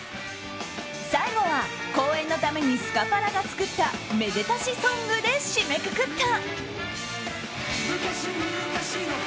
最後は公演のためにスカパラが作った「めでたしソング」で締めくくった。